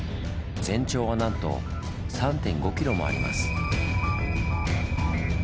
全長はなんと３．５ｋｍもあります。